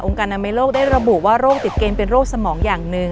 การอนามัยโลกได้ระบุว่าโรคติดเกมเป็นโรคสมองอย่างหนึ่ง